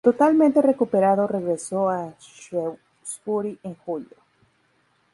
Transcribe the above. Totalmente recuperado regresó a Shrewsbury en julio.